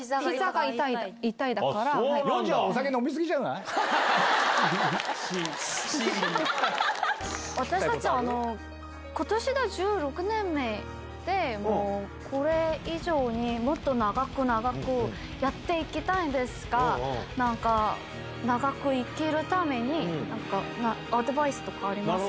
ヨンジちゃん、お酒飲み過ぎしー。私たち、ことしで１６年目で、もう、これ以上にもっと長く長くやっていきたいんですが、なんか、長く生きるために、アドバイスとかありますか。